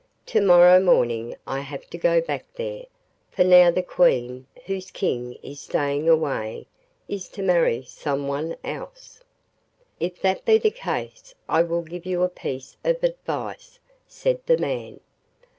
To morrow morning I have to go back there, for now the Queen, whose King is staying away, is to marry some one else.' 'If that be the case I will give you a piece of advice,' said the man.